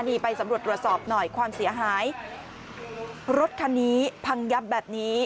นี่ไปสำรวจตรวจสอบหน่อยความเสียหายรถคันนี้พังยับแบบนี้